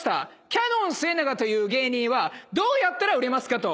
キャノンすえながという芸人はどうやったら売れますか？と。